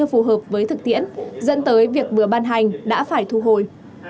các văn bản không phù hợp với thực tiễn dẫn tới việc vừa ban hành đã phải thu hồi